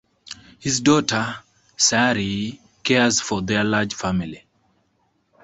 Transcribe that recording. His daughter Sari cares for their large family.